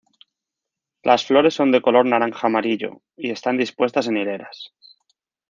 Las flores son de color naranja-amarillo y están dispuestas en hileras.